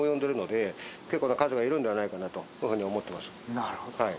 なるほど。